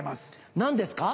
何ですか？